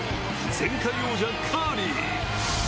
前回王者、カーリー。